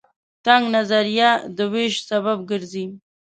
تنگ نظرۍ د وېش سبب ګرځي.